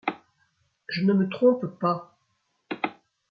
Je ne me trompe pas !